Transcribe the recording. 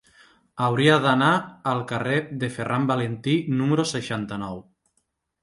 Hauria d'anar al carrer de Ferran Valentí número seixanta-nou.